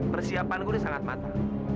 persiapan gua ini sangat mata